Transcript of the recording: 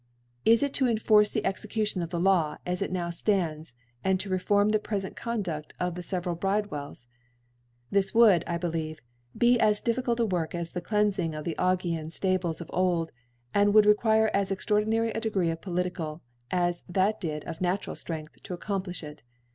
Is it to enforce the Execution of the Law as it now (lands, and to reform the prefent Conduft of the feve ral Bridewells ? This would I believe be as diffiicult ft Work as thccleanfing the Augean Stables of old ; and would require as ex traordinary a Degree of Poiicical, as that did of Natural Strength, to accomplLdi it.